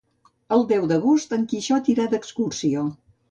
El deu d'agost en Quixot irà d'excursió.